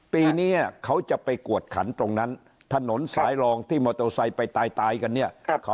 ปีนี้เขาจะไปกวดขันตรงนั้นถนนสายรองที่มอเตอร์ไซค์ไปตายกันเนี่ย